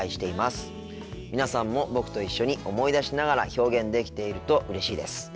皆さんも僕と一緒に思い出しながら表現できているとうれしいです。